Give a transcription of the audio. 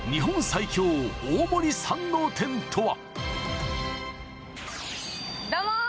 最強大森山王店とは？